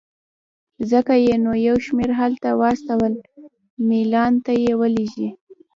ځکه یې نو یو شمېر هلته واستول، میلان ته یې ولېږلې.